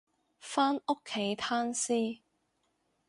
返屋企攤屍